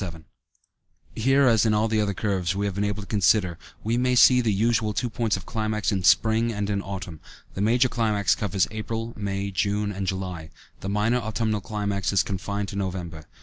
77 Here, as in all the other curves we have been able to consider, we may see the usual two points of climax in spring and in autumn; the major climax covers April, May, June, and July, the minor autumnal climax is confined to November.